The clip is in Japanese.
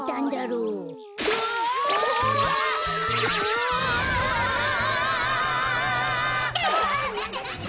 うわなんだなんだ！